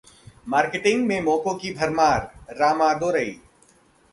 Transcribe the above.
marketing में मौकों की भरमार: रामादोरई